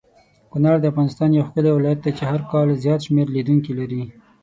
کونړ دافغانستان یو ښکلی ولایت دی چی هرکال زیات شمیر لیدونکې لری